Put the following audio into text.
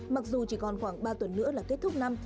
mặc dù chỉ còn khoảng ba tuần nữa là kết thúc năm